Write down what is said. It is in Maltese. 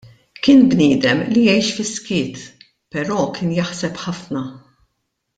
Kien bniedem li jgħix fis-skiet, però kien jaħseb ħafna.